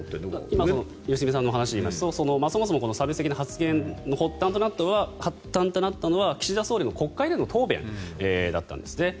今の良純さんの話で言いますとそもそもこの差別的発言の発端となったのは岸田総理の国会での答弁だったんですね。